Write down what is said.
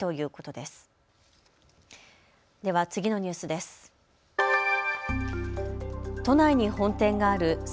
では次のニュースです。